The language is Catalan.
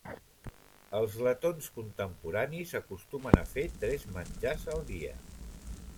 Els letons contemporanis acostumen a fer tres menjars al dia.